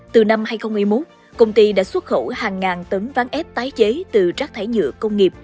từ năm hai nghìn một mươi một công ty đã xuất khẩu hàng ngàn tấn ván ép tái chế từ rác thải nhựa công nghiệp